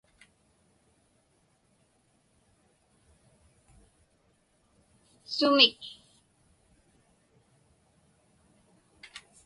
Sumik?